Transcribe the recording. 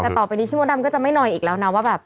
แต่ต่อไปนี้พี่มดดำก็จะไม่หน่อยอีกแล้วนะว่าแบบ